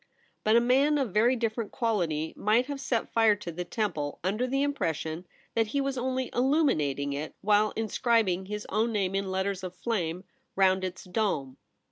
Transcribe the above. But a man of very different quality might have set fire to the temple under the impression that he was only illuminating it while inscrib ing his own name in letters of flame round its dome.